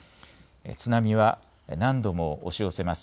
津波は何度も押し寄せます。